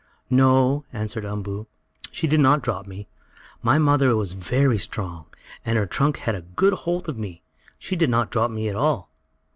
"No," answered Umboo, "she did not drop me. My mother was very strong, and her trunk had a good hold of me. She didn't drop me at all."